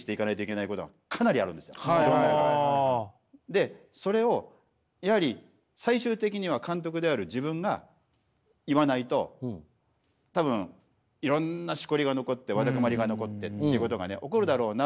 でそれをやはり最終的には監督である自分が言わないと多分いろんなしこりが残ってわだかまりが残ってということが起こるだろうなっていう事案なんです。